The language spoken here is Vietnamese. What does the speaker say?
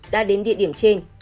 đã đến địa điểm trên